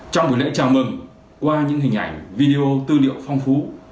trong buổi lễ chào mừng qua những hình ảnh video tư liệu phong phú